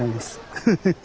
フフフフ！